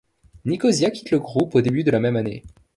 Nicosia quitte le groupe au début de la même année.